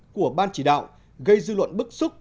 của ban chỉ đạo gây dư luận bức xúc